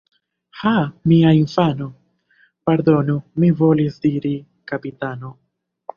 Ha! mia infano ... pardonu, mi volis diri: kapitano.